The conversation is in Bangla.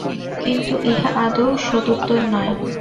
কিন্তু ইহা আদৌ সদুত্তর নয়।